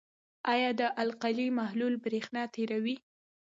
آیا د القلي محلول برېښنا تیروي؟